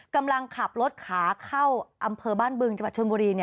กำลังขับรถขาเข้าอำเภอบ้านบึงจังหวัดชนบุรี